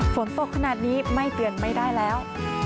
ฝนตกขนาดนี้ไม่เตือนไม่ได้แล้ว